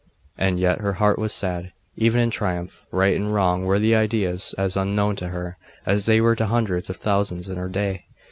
And yet her heart was sad, even in her triumph. Right and wrong were ideas as unknown to her as they were to hundreds of thousands in her day.